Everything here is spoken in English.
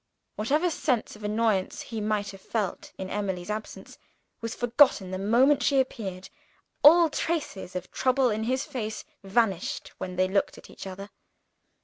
Whatever sense of annoyance he might have felt in Emily's absence, was forgotten the moment she appeared; all traces of trouble in his face vanished when they looked at each other.